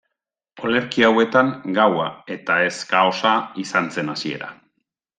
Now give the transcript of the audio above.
Olerki hauetan, Gaua, eta ez Kaosa, izan zen hasiera.